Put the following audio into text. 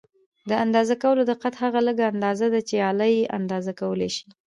د اندازه کولو دقت هغه لږه اندازه ده چې آله یې اندازه کولای شي.